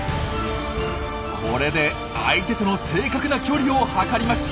これで相手との正確な距離を測ります。